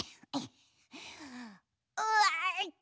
うわっと。